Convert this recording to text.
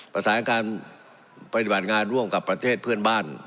ประสานการปฏิบัติงานร่วมกับประเทศเพื่อนบ้าน